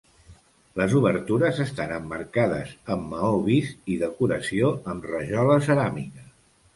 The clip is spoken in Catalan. Les obertures estan emmarcades amb maó vist i decoració amb rajola ceràmica.